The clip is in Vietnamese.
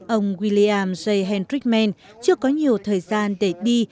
ông william j henry mann chưa có nhiều thời gian để đi